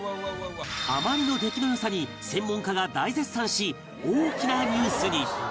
あまりの出来の良さに専門家が大絶賛し大きなニュースに